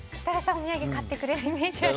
お土産買ってくれるイメージあります。